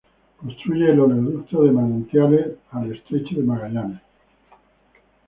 Construye el oleoducto de Manantiales al Estrecho de Magallanes.